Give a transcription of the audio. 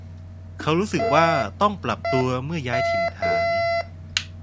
เขารู้สึกว่าต้องปรับตัวเมื่อย้ายถิ่นฐาน